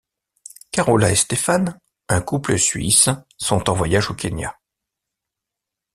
Carola et Stefan, un couple suisse, sont en voyage au Kenya.